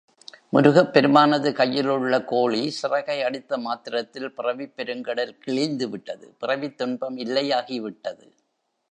முருகப் பெருமானது கையிலுள்ள கோழி சிறகை அடித்த மாத்திரத்தில் பிறவிப் பெருங்கடல் கிழிந்துவிட்டது பிறவித் துன்பம் இல்லையாகி விட்டது.